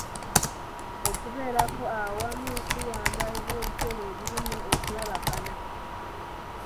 Okubeerako okwo awamu kuyamba ebiwojjolo ebirume okulabagana.